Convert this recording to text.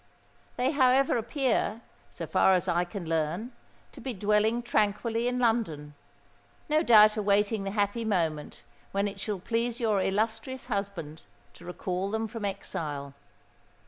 They, however, appear, so far as I can learn, to be dwelling tranquilly in London—no doubt awaiting the happy moment when it shall please your illustrious husband to recall them from exile.